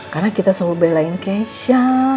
karena kita selalu belain kesha